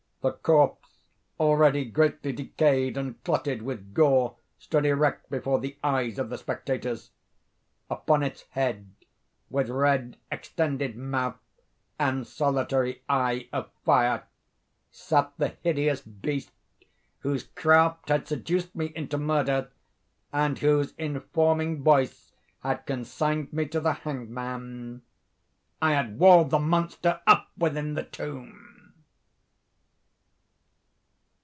The corpse, already greatly decayed and clotted with gore, stood erect before the eyes of the spectators. Upon its head, with red extended mouth and solitary eye of fire, sat the hideous beast whose craft had seduced me into murder, and whose informing voice had consigned me to the hangman. I had walled the monster up within the tomb!